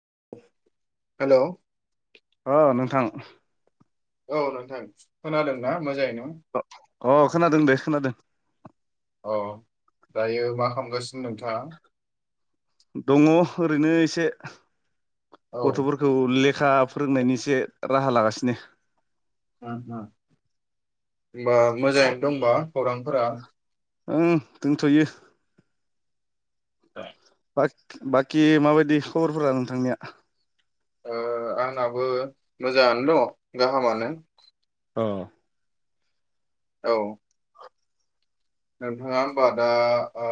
[unintelligible] Hello अ नोंथां औ नोंथां खोनादोंना मोजायैनो? अ अ खोनादों दे खोनादो। अ दायो मा खामगासिनो दं नोंथाङा? दङ ओरैनो एसे ओ औ उम गथ'फोरखौ ले खा फोरोंनायनि एसे राहा लागासिनो । ओ ओ ओनबा मोजांयैनो दंबा? खौरांफोरा ओं दोनथ'यो। ज बाख बाकि माबायदि ख'बरफोरा नोंथांनिया? ओ आंनाबो मोजाङानो दङ गाहामानो। अ औ नोंथाङा होनबा दा ओ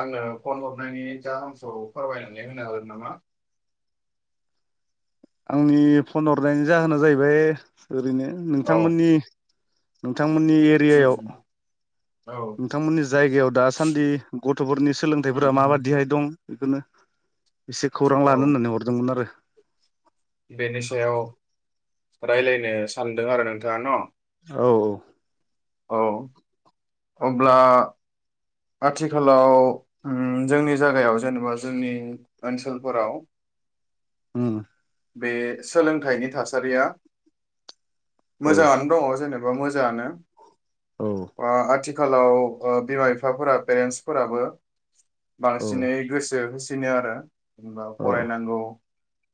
आंनो फन हरनायनि जाहोनखौ फोरमायनानै होनागोन नामा? आंनि फन हरनायनि जाहोना जाहैबाय ओरैनो औ नोंथांमोननि थांमोननि उम एरियायाव उम। औ नोंथांमोननि जायगायाव दासान्दि गथ'फोरनि उम सोलोंथाइफोरा उम। माबाददिहाय दं? बेखोनो इसे खौरां औ लानो होननानै हरदोंमोन आरो बेनि सायाव रायलायनो सानदों आरो नोंथाङा न' औ औ औ अब्ला आथिखालाव उम जोंनि जागायाव जेनेबा जोंनि ओनसोलफोराव उम बे सोलोंथाइनि थासारिया मोजाङानो दङ जेनेब बा मोजाङानो। औ अ आथि खालाव ओ बिमा बिफाफोरा पेरेन्टसफोराबो औ बांसिनै गोसो होस दिनो आरो एबा औ फरायनांगौ।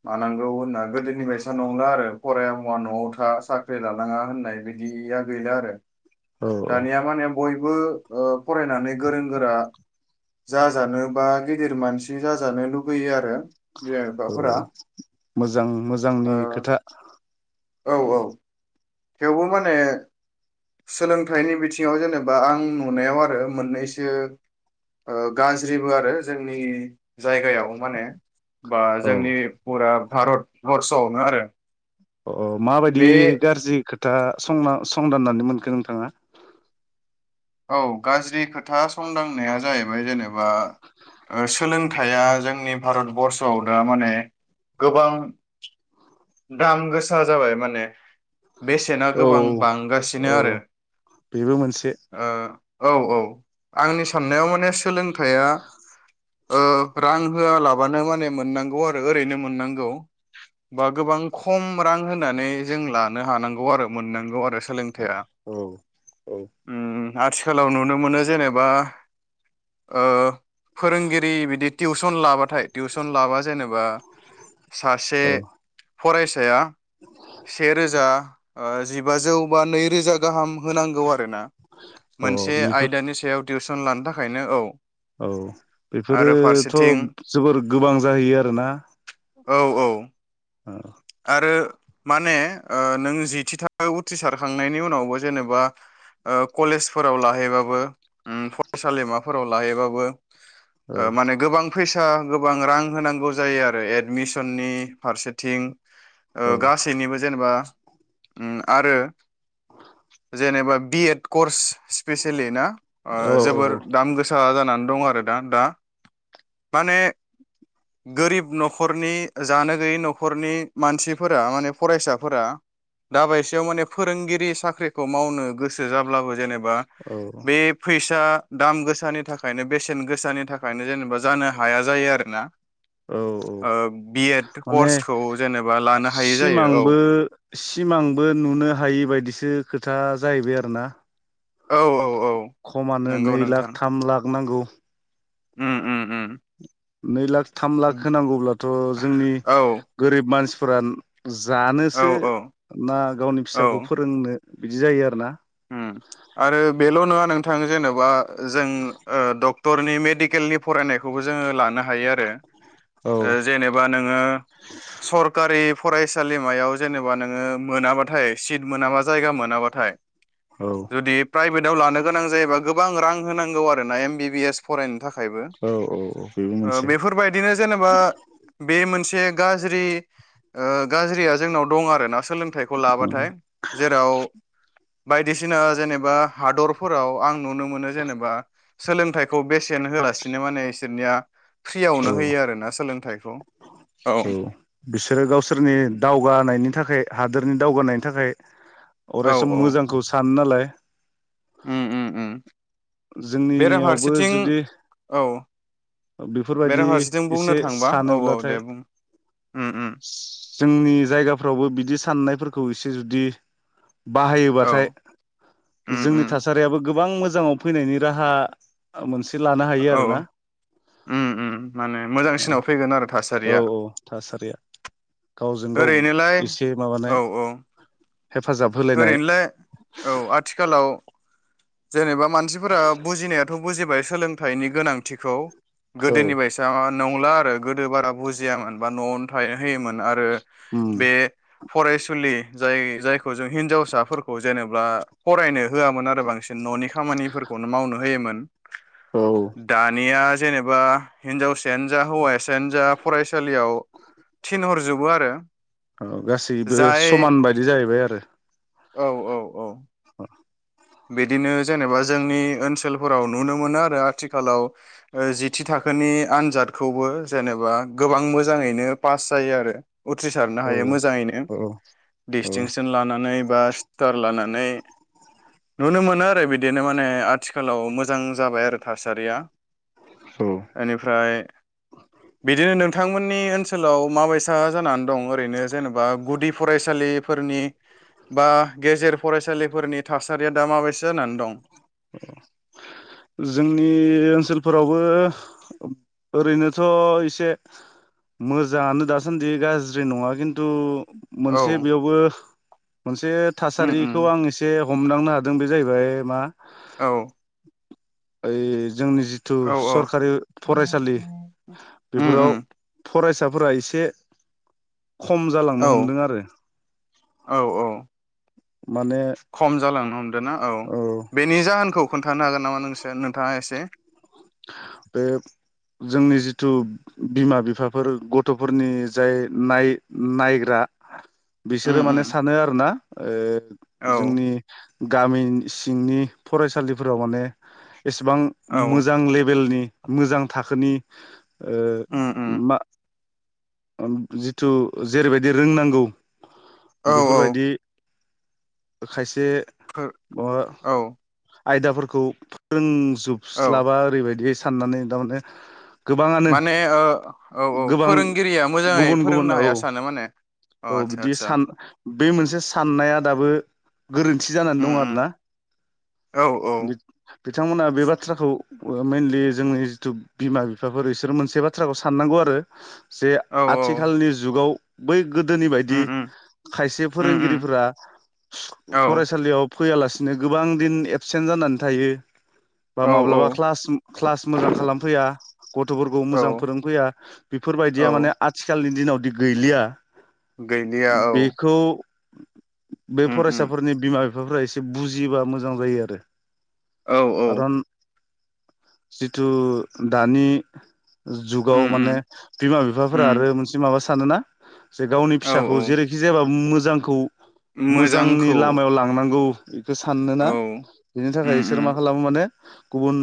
मानांगौ होनना गोदोनि बायसा नंला आरो फराया मुवा न'आव था साख्रि लानाङा होननाय बिदिया गैला आरो औ औ दानिया माने बय बो ओ फरायनानै गोरों गोरा जाजानो बा गिदिर मानसि जाजानो लुुगैयो आरो बिमा बिफाफोरा औ मोजां मोजांनि ओ खोथा औ औ थेवबो माने सोलोंथाइनि बिथिङाव जेनेबा आं नुनायाव आरो मोननैसो ओ गाज्रिबो आरो जोंनि जायगायाव माने बा औ जोंनि पुराब भारत बर्षआवनो आरो अ माबायदि बे गाज्रि खो था संना संदाननानै मोनखो नोंथाङा? औ गाज्रि खोथा संदांनाया जाहैबाय जेनेबा ओ सोलोंथाइया जोंनि भारतबर्सआव दा माने गोबां दाम गोसा जाबाय माने बेसेना औ गोबां बांगासिनो औ आरो बेबो मोनसे ओ औ औ आंनि साननायाव माने सोलों थाया ओ रां होआलाबानो माने मोननांगौ आरो ओरैनो मोननांगौ। बा गोबां खम रां होनानै जों लानो हानांगौ आरो मोननांगौ आरो सोलों थाया औ औ उम आथिखालाव नुनो मोनो जेने बा ओ फोरोंगिरि बिदि टिउसन लाबाथाय टिउसन लाबा जेनेबा सासे फरायसाया सेे रोजा ओ जिबाजौ बा नै रोजा गाहाम होनांगौ आरो ना औ मोनसे बेफोर आयदानि सायाव टिउसन लानो थाखायनो औ औ आरो बेफोरोथ' फारसेथिं जोबोर गोबां जाहैयो आरो ना? ओ रो माने ओ नों जिथि थाख उथ्रिसारखांनायनि उनावबो जेनेबा ओ कलेजफोराव लाहैबाबो उ फरायसालिमा फोराव लाहैबाबो औ ओ माने गोबां फैसा गोबां रां होनांगौ जायो आरो एडमिसननि फारसेथिं ओ औ गासैनिबो जेनेबा उम आरो जेनेबा बि एड कर्स स्पिसियेलि ना ओ औ जोबोर दाम गोसा जानानै दं आर दा दा माने गोरिब न'खरनि जानो गैयै न'खरनि मानसिफोरा माने फरायसाफोरा दाबायसेयाव माने फोरोंगिरि साख्रिखौ मावनो गो गोसो जाब्लाबो जेनेबा औ बे फैसा दाम गोसानि थाखायनो बेसेन गोसानि थाखायनो जेनेबा जानो हाया जायो आरो ना औ औ ओ बि एड माने कर्सखौ जेनेबा लानो हायै जायो औ सिमांबो सिमांबो नुनो हायि बायदिसो खोथा जाहैबाय आरो ना औ औ खमानो नंगौ नै लाख थाम लाख नांगौ। उ उ उ नै लाख थाम लाख होनांगौब्लाथ' जोंनि औ गोरिब मानसि थुरान औ जानोसो औ ना गावनि औ फिसाखौ फोरोंनो । बिदि जायो आरो ना । आरो बेल' नङा नोंथां जेन'बा जों डक्टरनि मेडिकेलनि फरायनायखौबो जोङो लानो हायो आरो औ । जेनेबा नोङो सरकारि फरायसालिमायाव जेनेबा नोङो मोनाबाथाय सिट मोनाबा जायगा मोनाबाथाय औ जुदि प्राइभेटाव लानो गोनां जायोबा गो गोबां रां होनांगौ आरोना एम बिबि एस फरायनो औ औ बेबो मोनसे बेफोरबायदिनो जेनेबा बे मोन ग गाजया जोंनाव दं आरोना सोलोंथ थायखौ उम लाबाथाय जेराव बायदिसिना जेनेबा हादरफोराव आं नुनो मोनो जेनेबा सोलोंथाइखौ बेसे टेन होआलासिनो माने इसोरनिया फ्रियावनो औ होयो आरोना सोलोंथाइखौ औ बिसोरो गावसोरनि दावगानायनि थाखाय हादोरनि दावगानाय थाखाय औ अरायसम मोजांखौ सानो नालाय उम उम उम । जोंनियावबो जुदि औ बेफोरबायदि बेराफारसेथिं बुंनो एसे थांबा औ औ सानोब्लाथाय दे बुं उम उम जोंनि जायगाफ्रावबो बिदि साननायफोरखौ एसे जुदि औ बाहायोबाथाय उम जोंनि उम थासारियाबो गोबां मोजां मोजाङाव फैनायनि राहा मोनसे एसे लानो हायो औ आरो ना। उम उम माने मोजांसिनाव फैगोन आरो औ थासारिया। थासारिया गावजों गाव ओरैनोलाय एसे माबानाय औ औ हेफाजाब होलायनाय ओरैनोलाय औ आथिखालाव। जेनेबा मानसिफोरा बुजिनायाथ' बुजिबाय सोलोंथाइनि गोनांथिखौ औ गोदोनि बायसा नंला आरो गोदो बारा बुजियामोन बा नआवनो था होयोमोन आरो उम बे। फरायसुलि जाय जायखौ जों हिनजावसाफोरखौ जेनेबा फरायनो होआमोन आरो बांसिन। ननि खामानिफोरखौनो मावनो होयोमोन। औ दानिया जेनेबा। हिन्जावसायानो जा हौवा सायानो जा फसालियाव थिनहर जोब बो आरो। औ गासैबो जाय समान बायदि जाहैबाय आरो। औ औ औ। [inaudible] बिदिनो जेनेबा जोंनि ओनसोलफोराव नुनो मोनो आरो आथिखालाव ओ जिथि थाखोनि आनजादखौबो जेनेबा गोबां मोजाङैनो पास जायो आरो। उथ्रिसारनो औ हायो मोजाङैनो औ औ दिस्टिंसन लानानै बा स्टार लाना नै। नुनो मोनो आरो बिदिनो माने आथिखालाव मोजां जाबाय आरो थासारिया। औ एनिफ्राय बिदिनो नों। थांमोननि ओनसोलाव माबायसा जानानै दं ओरैनो जेनेबा गुदि फरायसालिफोरनि बा गेजेर फरायसालिफोरनि थासा बे दा मा बायसा होननानै दं। जोंनि ओनसोलफोरावबो ओरैनोथ एसे मोजाङानो दासान्दि गाज्रि नङा खिन्थु। औ मोनसे बेयावबो। मोनसे उम उम थासारिखौ आं एसे। हमदांनो हादों बे जाहैबाय मा। औ। ओइ। जोंनि जिथु औ सरखारि उम फरायसालि बेफोराव। उम फरायसाफोरा एसे। खम औ जालांनो हमदों आरो। औ औ माने खम जालांनो हमदों ना औ बे। नि जाहोनखौ खोन्थानो हागोन नामा? [unintelligible] नोंथाङा एसे। बे जोंनि जिथु बिमा बिफाफोर गथ'फोरनि जाय नाय-नायग्रा। उम बिसोरो उम माने सानो आरो ना। ओ। औ जोंनि। गामिन सिंनि फरायसालिफोराव माने। एसेबां औ मो जां लेभेलनि मोजां थाखोनि। ओ उम उम मा जिथु जेरैबायदि रोंनांगौ औ औ बेफोरबायदि खायसे माबा औ आयदाफोरखौ फोरोंजोब औ स्लाबाओरैबायदि साननानै थारमाने गोबाङानो माने ओ औ औ गोबां फोरोंगिरिया मोजाङै गुबुन गुबुन फोरोंनो औ हाया सानो माने अ औ आदसा बिदि आदसा सान बे मोनसे साननाया दाबो गोरोन्थि जानानै उम दं आरो उम ना औ औ बिथांमोना बे बाथ्रा औ मेनलि जोंनि जिथु बिमा बिफाफोर बिसोरो मोनसे बाथ्राखौ साननांगौ आरो जे औ आथिखालनि जुगाव बै गोदोनि उम बायदि उम खायसे उम उम फोरोंगिरिफोरा औ फरायसालियाव फैयालासिनो गोबां दिन एबसेन्ट जानानै थायो बा औ औ माब्लाबा क्लास क्लास मोजां खालामफैया गथ'फोरखौ मोजां औ फोरोंफैया बेफोरबायदिया औ माने आथिखालनि दिनावदि गैलिया गैलिया औ बेखौ बे उम उम फरायसाफोरनि बिमा बिफाफ्रा एसे बुजियोब्लाा मोजां जायो आरो औ औ खारन जिथु दानि उम जुगाव उम माने बिमा बिफाफोरा उम आरो मोनसे माबा सानोना? जे गावनि औ फिसाखौ औ जेरैखि जायाबाबो मो जांखौ मोजांनि मोजांखौ लामायाव लांनांगौ बेखौ सानोना औ बिनि थाखाय उम बिसोर मा उम खालामो माने गुबुन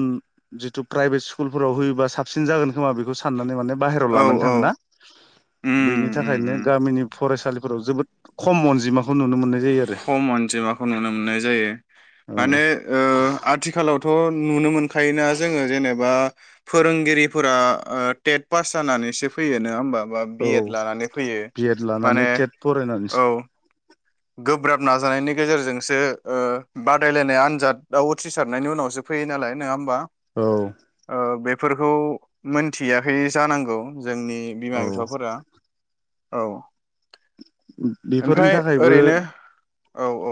जितु प्राइभेट स्कुलफोराव होयोबा साबसिन जागोन खोमा बेखौ साननानै माने बाहेरायाव औ लानानै औ थाङोना उम बेनि उम थाखायनो उम गामिनि फरायसालिफोराव जोबोद खम अनजिमाखौ नुनो मोननाय जायो आरो खम अनजिमाखौ नुनो मोननाय जायो माने ओ आथिखालावथ' नुनो मोनखायोना जोङो जेनेबा फोरोंगिरिफोरा ओ टेट पास जानानैसो फैयो नङा होमबा बा बि औ एड लानानै फैयो बिएड लानानै माने टेट फरायनानैसो औ गोब्राब नाजानायनि गेजेरजोंसो ओ बादायलायनाय आनजादाव उथ्रिसारनायनि उनावसो फैयो नालाय नङा होमबा? औ ओ बेफोरखौ मोनथियाखै जानांगौ जोंनि बिमा औ बिफाफोरा औ [inaudible] बेफोरनि ओमफ्राय थाखाय ओरैनो औ औ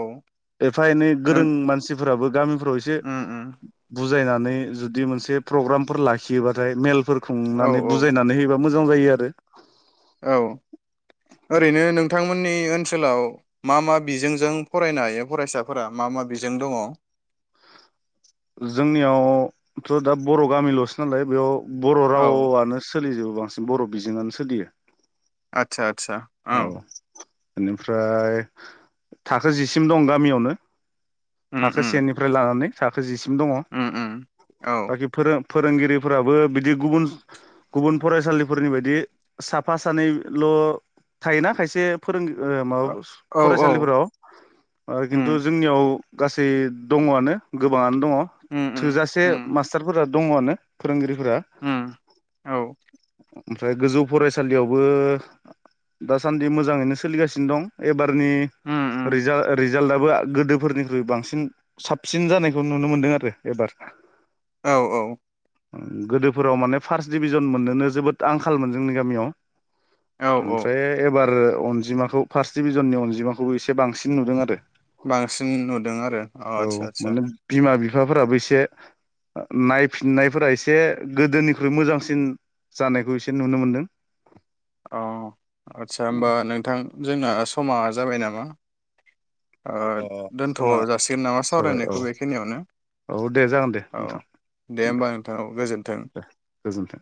एफा एनै नों गोरों मानसि फोराबो गामि फोराव एसे उम उम बुथ बुजायनानै जुदि मोनसे प्रग्रामफोर लाखियोबाथाय मेल फोर औ खुंनानै औ बुजायनानै होयोबा मोजां जायो आरो औ ओरैनो नोंथां मोननि ओनसोलाव मा मा बिजोंजों फरायनो हायो फरायसाफोरा मा मा बिजों दङ? जोंनियावथ' दा बर' गामिल'सो नालाय बेयाव बर' रावआनो सोलिजोबो। बांसिन बर' बिजोंआनो सोलियो आतसा औ बेनिफ्राय थाखो जिसिम दं गामियावनो उम थाखो उम सेनिफ्राय लानानै थाखो जिसि दङ उम उम औ बाखि फोरों फोरोंगिरिफोराबो बिदि गुबुन गुबुन फरायसालिफोरनि बायदि साफा सानैल' थायोना खायसे फोरों ओ माबा औ औ फरायसालिफोराव ओ उम खिन्थु जोंनियाव गासै दङआनो गोबाङानो दङ उम उम थोजासे उम मास्टारफोरा दङआनो फोरोंगिरि फोरा उम औ ओमफ्राय गोजौ फरायसालियावबो दासान्दि मोजाङैनो सोलिगासिनो दं एबार- नि उम उम रिजा-रि- जाल्टआबो गोदोफोरनिख्रुइ बांसिन साबसिन जानायखौ नुनो मोनदों आरो एबार औ औ। गोदोफोराव माने फार्स्ट डिभिजन मोननोनो जोबोद आंखालमोन जोंनि गामियाव। औ औ। ओमफ्राय एबार अनजिमाखौ फार्स्ट डभिजननि अनजिमाखौबो एसे बांसिन नुदों आरो बांसिन नुदों आरो अ आदसा औ आदसा मोनो बिमा बि- फाफोराबो एसे नायफिननायफोरा एसे गोदोनिख्रुइ मोजांसिन जानायखौ एसे नुनो मोनदों। औ। आदसा होमबा नोंथां जोंना समा जाबाय नामा? अ दोनथ' समा जासिगोन नामा जाबाय औ सावरायनायखौ बेखिनियावनो औ दे जागोन दे औ नोंथां दे होमबा नोंथां गोजोन्थों । दे गोजोन्थों